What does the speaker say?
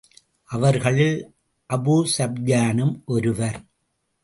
அவர்களில் அபூஸூப்யானும் ஒருவர்.